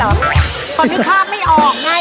เพราะมีภาพไม่ออกไง